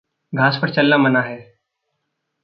घास पर चलना मना है।